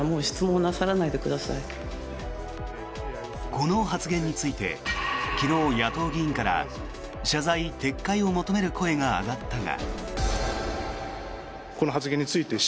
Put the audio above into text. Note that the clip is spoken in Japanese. この発言について昨日、野党議員から謝罪・撤回を求める声が上がったが。